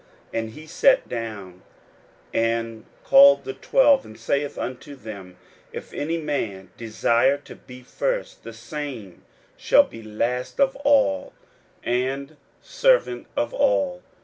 41:009:035 And he sat down, and called the twelve, and saith unto them, If any man desire to be first, the same shall be last of all, and servant of all.